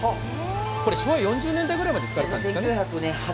これ昭和４０年代くらいまで使われていたんですよね？